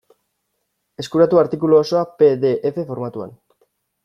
Eskuratu artikulu osoa pe de efe formatuan.